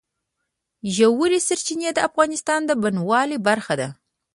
ژورې سرچینې د افغانستان د بڼوالۍ برخه ده.